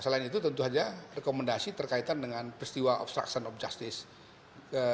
selain itu tentu saja rekomendasi terkaitan dengan peristiwa obstruction of justice